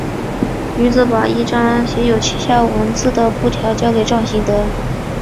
女子把一张写有西夏文字的布条交给赵行德。